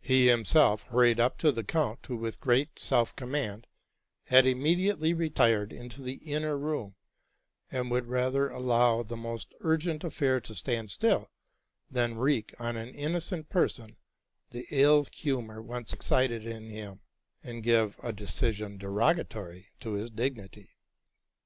He himself hurried up to the count, who with great self command had immediately retired into the inner room, and would rather allow the most urgent affair to stand still, than wreak on an innocent person the ill humor once excited in him, and give a decision derogatory to his dignity.